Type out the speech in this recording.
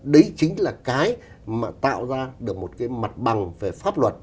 đấy chính là cái mà tạo ra được một cái mặt bằng về pháp luật